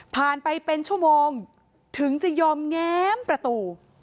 ไปเป็นชั่วโมงถึงจะยอมแง้มประตู